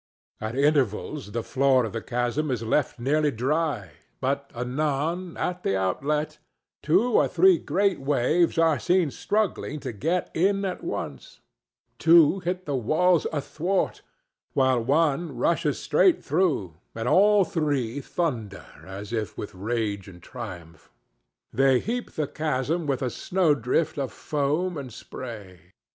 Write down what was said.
At intervals the floor of the chasm is left nearly dry, but anon, at the outlet, two or three great waves are seen struggling to get in at once; two hit the walls athwart, while one rushes straight through, and all three thunder as if with rage and triumph. They heap the chasm with a snow drift of foam and spray.